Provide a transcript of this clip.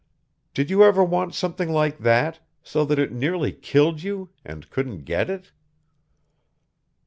Did you ever want something like that, so that it nearly killed you, and couldn't get it?"